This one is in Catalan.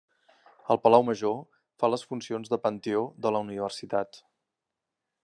El Palau Major fa les funcions de panteó de la Universitat.